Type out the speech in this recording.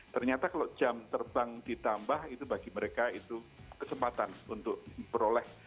ternyata kalau jam terbang ditambah itu bagi mereka itu kesempatan untuk peroleh